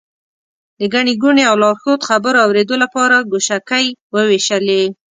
د ګڼې ګوڼې او لارښود خبرو اورېدو لپاره ګوشکۍ ووېشلې.